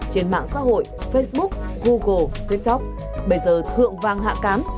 trên mạng xã hội facebook google tiktok bây giờ thượng vàng hạ cánh